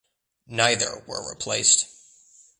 Neither were replaced.